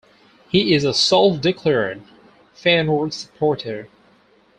He is a self-declared Feyenoord supporter.